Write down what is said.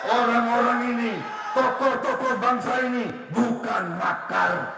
orang orang ini tokoh tokoh bangsa ini bukan makar